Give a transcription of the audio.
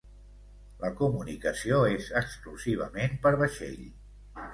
La comunicació és exclusivament per vaixell.